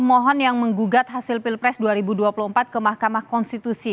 mohon yang menggugat hasil pilpres dua ribu dua puluh empat ke mahkamah konstitusi